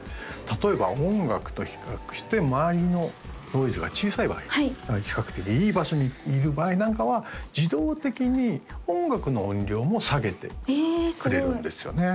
例えば音楽と比較して周りのノイズが小さい場合比較的いい場所にいる場合なんかは自動的に音楽の音量も下げてくれるんですよね